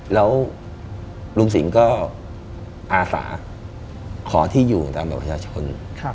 แล้วลุงสิงห์ก็อาสาขอที่อยู่ตามบัตรประชาชน